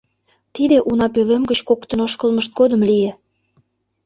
Тиде уна пӧлем гыч коктын ошкылмышт годым лие.